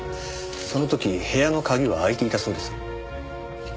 その時部屋の鍵は開いていたそうです。